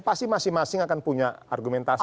pasti masing masing akan punya argumentasi